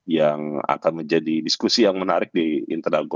yang akan menjadi diskusi yang menarik di internal gokar gitu ya